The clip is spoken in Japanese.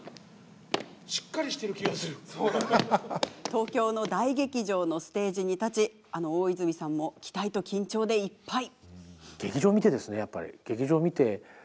東京の大劇場のステージに立ちあの大泉さんも期待と緊張でいっぱい。